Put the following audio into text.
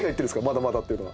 「まだまだ」っていうのは。